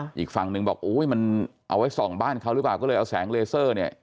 อีกฝั่งหนึ่งบอกโอ้ยมันเอาไว้ส่องบ้านเขาหรือเปล่าก็เลยเอาแสงเลเซอร์เนี่ย